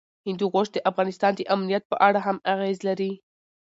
هندوکش د افغانستان د امنیت په اړه هم اغېز لري.